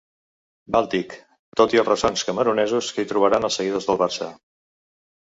Bàltic, tot i els ressons camerunesos que hi trobaran els seguidors del Barça.